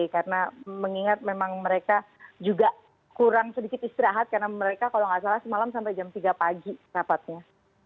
karena mengingat memang mereka juga kurang sedikit istirahat karena mereka kalau enggak salah semalam sampai jam tiga pagi rapatnya